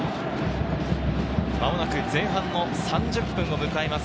まもなく前半の３０分を迎えます。